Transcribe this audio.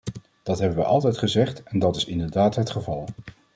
Dat hebben we altijd gezegd en dat is inderdaad het geval.